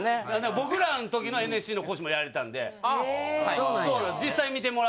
僕らの時のＮＳＣの講師もやられてたんであっそうなんや？